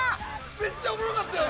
めっちゃおもろかったよ